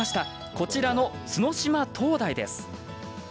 こちらの角島灯台です。